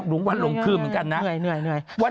หลังวัน